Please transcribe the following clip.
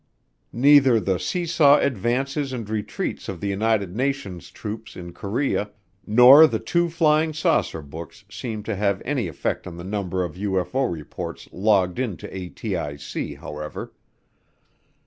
Neither the seesaw advances and retreats of the United Nations troops in Korea nor the two flying saucer books seemed to have any effect on the number of UFO reports logged into ATIC, however.